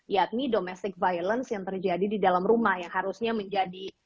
yakni domestic violence yang terjadi di dalam rumah yang harusnya menjadi